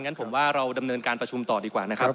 งั้นผมว่าเราดำเนินการประชุมต่อดีกว่านะครับ